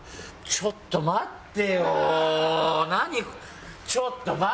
ちょっと待って。